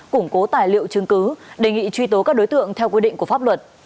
củng cố tài liệu chứng cứ đề nghị truy tố các đối tượng theo quy định của pháp luật